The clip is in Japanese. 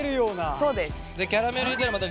そうです。